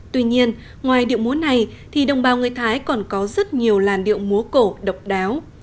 tuy nhiên ngoài điệu múa này thì đồng bào người thái còn có rất nhiều làn điệu múa cổ độc đáo